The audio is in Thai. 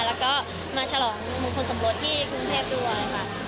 แล้วก็มาฉลองมงคลสมรสที่กรุงเทพด้วยค่ะ